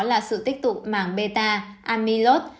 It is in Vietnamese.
là sự tích tụ mảng beta amylose